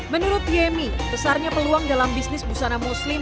menurut yemi besarnya peluang dalam bisnis busana muslim